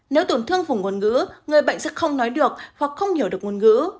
nếu tổn thương vùng ngôn ngữ người bệnh sẽ không nói được hoặc không hiểu được ngôn ngữ